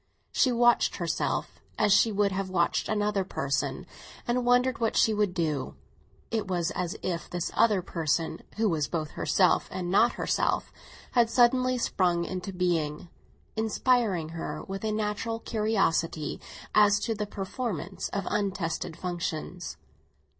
She watched herself as she would have watched another person, and wondered what she would do. It was as if this other person, who was both herself and not herself, had suddenly sprung into being, inspiring her with a natural curiosity as to the performance of untested functions.